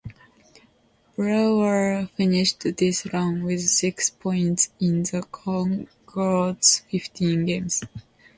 Brewer finished this run with six points in the Cougars' fifteen games.